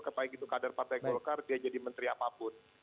ketika itu kadar partai golkar dia jadi menteri apapun